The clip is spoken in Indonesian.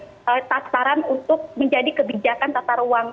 pusat gempa nasional ini sebagai tasaran untuk menjadi kebijakan tata ruang